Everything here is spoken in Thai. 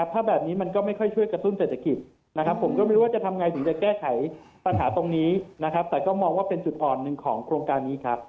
ถ้าแบบนี้มันก็ไม่ค่อยช่วยกระตุ้นเศรษฐกิจนะครับผมก็ไม่รู้ว่าจะทำไงถึงจะแก้ไขปัญหาตรงนี้นะครับแต่ก็มองว่าเป็นจุดอ่อนหนึ่งของโครงการนี้ครับ